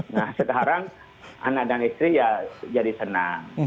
nah sekarang anak dan istri ya jadi senang